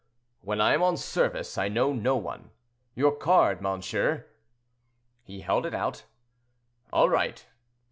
"When I am on service, I know no one. Your card, monsieur?" He held it out. "All right!